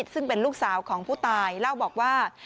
ซึ่งเป็นลูกสาวของผู้ตายเล่าบอกว่า